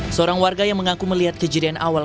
seorang warga yang mengaku melihat kejadian awal